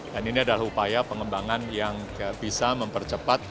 dan ini adalah upaya pengembangan yang bisa mempercepat